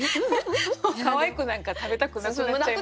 かわいくなんか食べたくなくなっちゃいますよね。